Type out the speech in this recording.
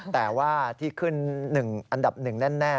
แต่ว่าที่ขึ้น๑อันดับ๑แน่